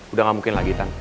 udah gak mungkin lagi kan